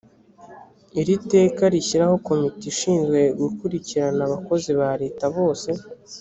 iriteka rishyiraho komite ishinzwe gukurikirana abakozi bareta bose .